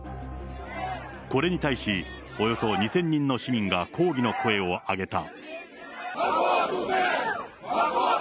これに対し、およそ２０００人の市民が抗議の声を上げた。